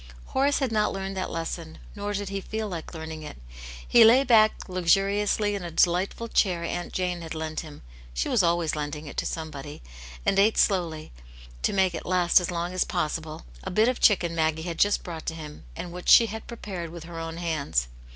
Horace had not learned that lesson, nor did he feel like learning it. He lay back luxuriously in a delight ful chair Aunt Jane had lent him — she was always lending it to somebody — and ate slowly, to make it last as long as possible, a bit of chicken Maggie had .. just brought to him, and which she had prepared with her own hands.